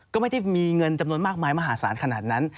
ก็ไม่ได้มีเงินจำนวนมากมายมหาศาลขนาดนั้น